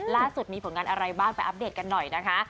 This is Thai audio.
ล่าสุดมีผลงานอะไรบ้างไปอัปเดตกันหน่อยนะคะ